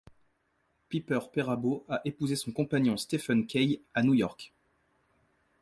Piper Perabo a épousé son compagnon Stephen Kay à New York.